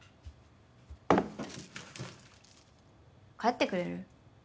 帰ってくれる？